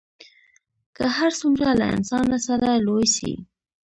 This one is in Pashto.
که هر څومره له انسانه سره لوی سي